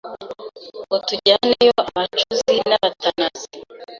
ngo tujyaneyo abacuzi n’abatanazi